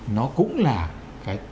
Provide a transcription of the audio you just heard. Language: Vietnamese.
nó cũng là cái